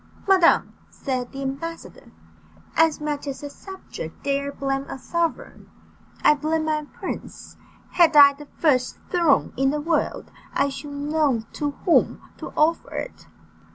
"Madam," said the ambassador, "as much as a subject dare blame a sovereign, I blame my prince; had I the first throne in the world, I should know to whom to offer it."